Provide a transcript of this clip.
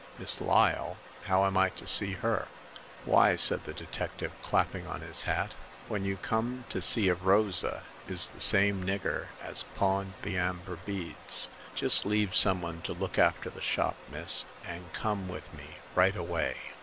'* Miss Lyle ? How am I to see her ?"" Why," said the detective, clapping on his hat, "when you come to see if Rosa is the same nigger as pawned the amber beads. Just leave some one to look after the shop, miss, and come with me right away."